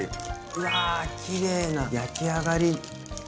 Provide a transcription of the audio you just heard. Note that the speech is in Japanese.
うわきれいな焼き上がり。